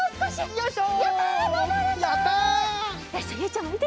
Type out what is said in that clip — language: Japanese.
よいしょ！